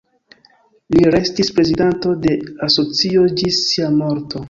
Li restis prezidanto de asocio ĝis sia morto.